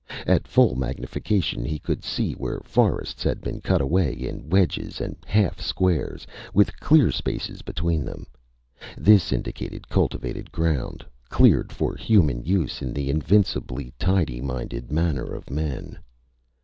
At full magnification he could see where forests had been cut away in wedges and half squares, with clear spaces between them. This indicated cultivated ground, cleared for human use in the invincibly tidy minded manner of men.